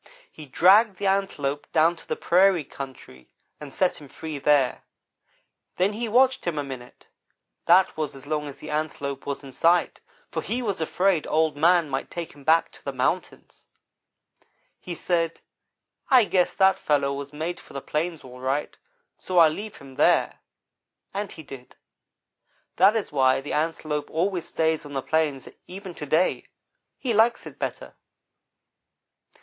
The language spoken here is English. "He dragged the Antelope down to the prairie country, and set him free there. Then he watched him a minute; that was as long as the Antelope was in sight, for he was afraid Old man might take him back to the mountains. "He said: 'I guess that fellow was made for the plains, all right, so I'll leave him there'; and he did. That is why the Antelope always stays on the plains, even to day. He likes it better.